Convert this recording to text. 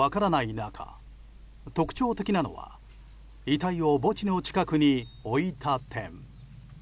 中特徴的なのは遺体を墓地の近くに置いた点。